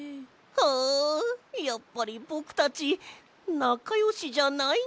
あやっぱりぼくたちなかよしじゃないんじゃない？